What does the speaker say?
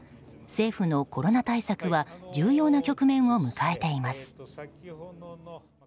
政府のコロナ対策は重要な局面を迎えています。